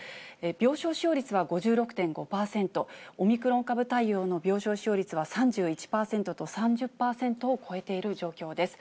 病床使用率は５６．５％、オミクロン株対応の病床使用率は３１％と、３０％を超えている状況です。